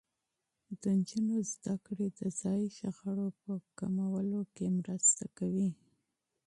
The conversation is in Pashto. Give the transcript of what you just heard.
د نجونو تعلیم د ځايي شخړو په کمولو کې مرسته کوي.